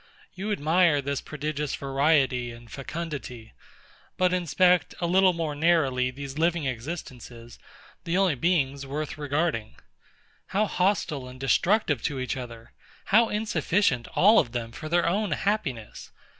You admire this prodigious variety and fecundity. But inspect a little more narrowly these living existences, the only beings worth regarding. How hostile and destructive to each other! How insufficient all of them for their own happiness!